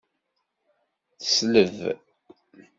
Tesleb.